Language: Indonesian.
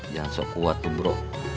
jangan sok kuat tuh bro